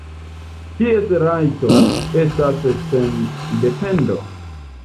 Kies rajto estas sendependo?